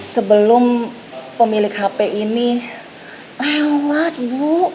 sebelum pemilik hp ini lewat bu